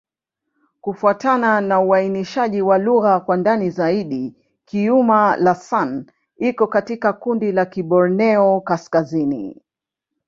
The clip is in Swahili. Kufuatana na uainishaji wa lugha kwa ndani zaidi, Kiuma'-Lasan iko katika kundi la Kiborneo-Kaskazini.